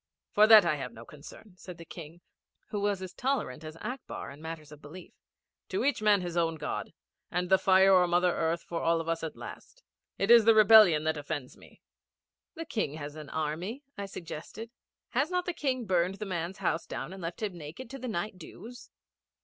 'For that I have no concern,' said the King, who was as tolerant as Akbar in matters of belief. 'To each man his own God and the fire or Mother Earth for us all at last. It is the rebellion that offends me.' 'The King has an army,' I suggested. 'Has not the King burned the man's house and left him naked to the night dews?'